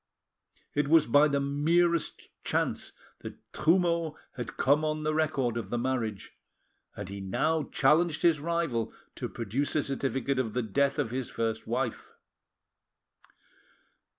It was by the merest chance that Trumeau had come on the record of the marriage, and he now challenged his rival to produce a certificate of the death of his first wife.